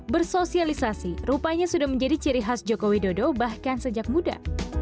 bersosialisasi rupanya sudah menjadi ciri khas jokowi dodo bahkan sejak muda